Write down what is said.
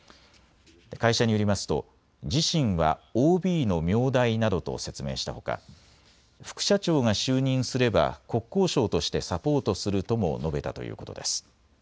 会社によりますと自身はＯＢの名代などと説明したほか副社長が就任すれば国交省としてサポートするとも述べたということです。